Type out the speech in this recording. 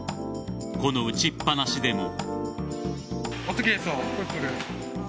この打ちっ放しでも。